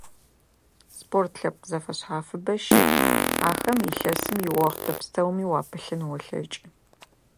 Спорт лъэпкъ зэфэшъхьафыбэ щыӀ, ахэм илъэсым иохътэ пстэуми уапылъын олъэкӀы.